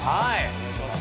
お願いします。